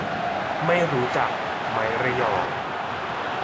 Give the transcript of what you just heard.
ไม่รู้จักไมค์ ระยอง